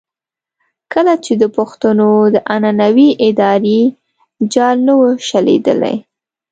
کله چې د پښتنو د عنعنوي ادارې جال نه وو شلېدلی.